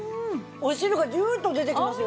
お汁がジューッと出てきますよ。